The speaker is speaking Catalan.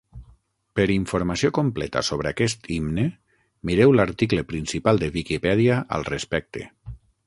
Per informació completa sobre aquest himne, mireu l'article principal de Viquipèdia al respecte.